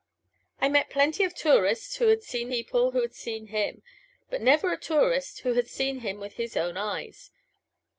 I met plenty of tourists who had seen people who had seen him, but never a tourist who had seen him with his own eyes.